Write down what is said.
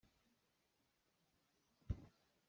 Mi cheu cu an rum deuh poh ah an ṭha deuh.